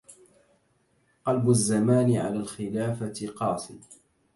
قلب الزمان على الخلافة قاسي